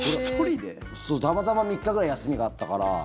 たまたま３日ぐらい休みがあったから。